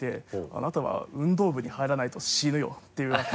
「あなたは運動部に入らないと死ぬよ」って言われて。